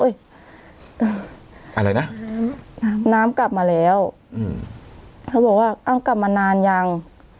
อะไรนะน้ำน้ำกลับมาแล้วอืมเขาบอกว่าเอ้ากลับมานานยัง